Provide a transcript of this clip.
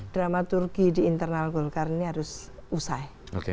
drama turki di internal golkar ini harus usai